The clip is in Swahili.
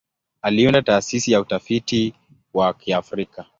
Aliunda Taasisi ya Utafiti wa Kiafrika.